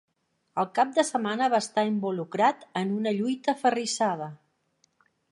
El cap de setmana va estar involucrat en una lluita aferrissada.